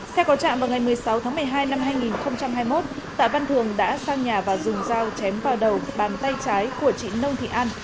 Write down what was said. theo có trạm vào ngày một mươi sáu tháng một mươi hai năm hai nghìn hai mươi một tạ văn thường đã sang nhà và dùng dao chém vào đầu bàn tay trái của chị nông thị an